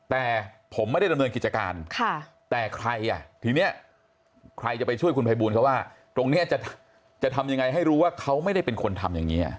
แต่ผมไม่ได้ดำเนินกิจการแต่ใครอ่ะทีนี้ใครจะไปช่วยคุณภัยบูลเขาว่าตรงนี้จะทำยังไงให้รู้ว่าเขาไม่ได้เป็นคนทำอย่างนี้